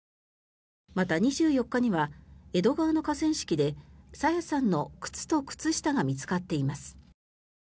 また、２４日には江戸川の河川敷で朝芽さんの靴と靴下が見つかっています。